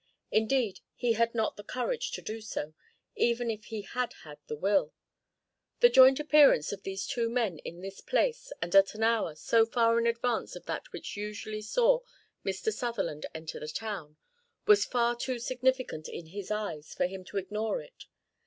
Indeed, he had not the courage to do so, even if he had had the will. The joint appearance of these two men in this place, and at an hour so far in advance of that which usually saw Mr. Sutherland enter the town, was far too significant in his eyes for him to ignore it.